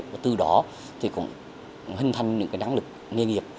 và từ đó thì cũng hình thành những cái năng lực nghề nghiệp